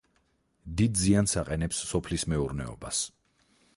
დიდ ზიანს აყენებს სოფლის მეურნეობას.